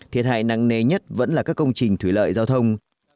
thiệt hại nặng nề nhất vẫn là các công trình thủy lợi giao thông